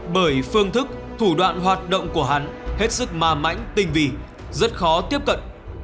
bởi phương thức thủ đoạn hoạt động của hắn hết sức ma mãnh tinh vi rất khó tiếp cận